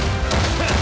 ハッ！